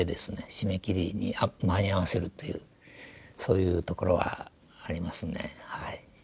締め切りに間に合わせるというそういうところはありますね。